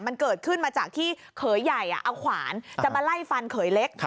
มันเกิดขึ้นมาจากที่เขยใหญ่เอาขวานจะมาไล่ฟันเขยเล็ก